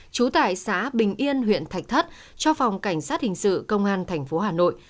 trú tại xã bình yên huyện thạch thất cho phòng cảnh sát hình sự công an tp hà nội